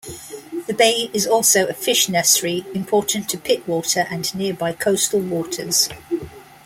The Bay is also a fish nursery important to Pittwater and nearby coastal waters.